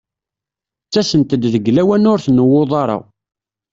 Ttasent-d deg lawan ur tnewwuḍ ara.